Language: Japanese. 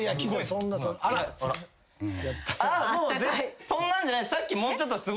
そんなんじゃない。